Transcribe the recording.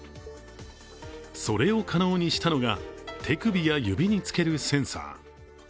それを可能にしたのが手首や指につけるセンサー。